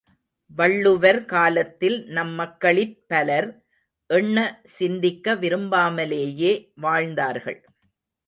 வள்ளுவர் காலத்தில் நம் மக்களிற் பலர் எண்ண சிந்திக்க விரும்பாமலேயே வாழ்ந்தார்கள்.